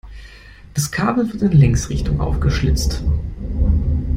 Das Kabel wird in Längsrichtung aufgeschlitzt.